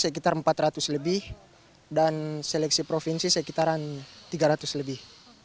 seleksi pas kiberaika itu sekitar waktu seleksi kota sekitar empat ratus lebih dan seleksi provinsi sekitaran tiga ratus lebih